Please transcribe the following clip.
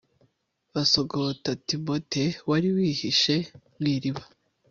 basogota timote wari wihishe mu iriba